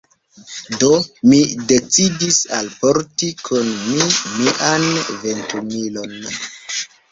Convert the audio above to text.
Do, mi decidis alporti kun mi mian ventumilon.